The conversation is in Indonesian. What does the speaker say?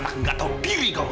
yang tersisa hanya